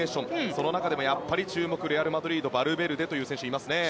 その中でも注目レアル・マドリードのバルベルデという選手ですね。